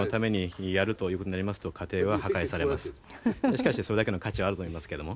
しかしそれだけの価値はあると思いますけども。